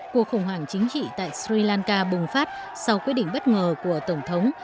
cuộc khủng hoảng chính trị tại sri lanka bùng phát sau quyết định bất ngờ của tổng thống